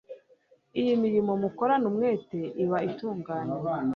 iy'imirimo mukorana umwete iba itunganye